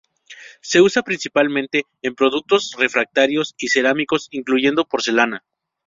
Se usa principalmente en productos refractarios y cerámicos, incluyendo porcelana.